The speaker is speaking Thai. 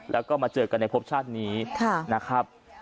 แล้วก็มาเจอกันในพบชาตินี้นะครับ